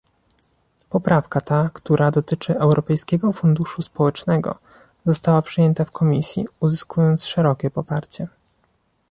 Poprawka ta, która dotyczy Europejskiego Funduszu Społecznego, została przyjęta w komisji, uzyskując szerokie poparcie